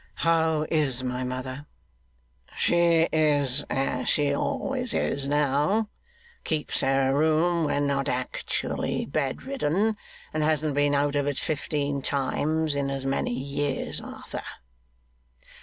'How is my mother?' 'She is as she always is now. Keeps her room when not actually bedridden, and hasn't been out of it fifteen times in as many years, Arthur.